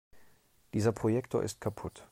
Dieser Projektor ist kaputt.